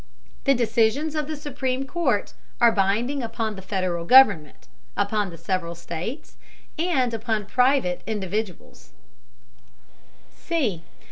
The decisions of the Supreme Court are binding upon the Federal government, upon the several states, and upon private individuals.